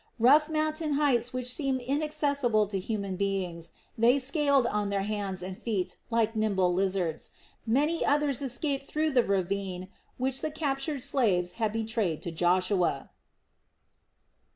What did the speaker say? Rough mountain heights which seemed inaccessible to human beings they scaled on their hands and feet like nimble lizards; many others escaped through the ravine which the captured slaves had betrayed to Joshua.